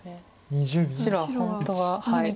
白は本当は。